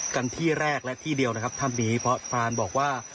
กันที่แรกและที่เดียวนะครับถ้ำนี้เพราะพรานบอกว่า